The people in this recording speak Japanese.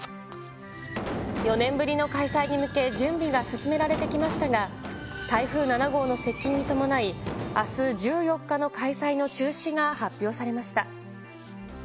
４年ぶりの開催に向け、準備が進められてきましたが、台風７号の接近に伴い、あす１４日の開催の中止が発表されました。